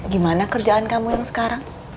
gimana kerjaan kamu yang sekarang